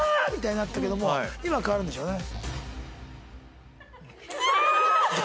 だったけども今は変わるんでしょうね。